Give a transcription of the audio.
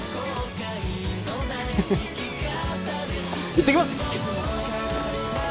行ってきます！